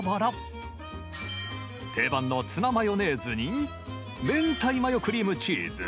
定番のツナマヨネーズに明太マヨクリームチーズ。